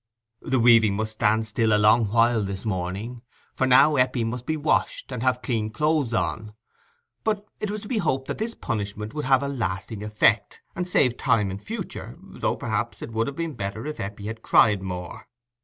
The weaving must stand still a long while this morning, for now Eppie must be washed, and have clean clothes on; but it was to be hoped that this punishment would have a lasting effect, and save time in future—though, perhaps, it would have been better if Eppie had cried more.